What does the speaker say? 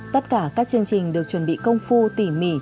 tất cả các chương trình được chuẩn bị công phu tỉ mỉ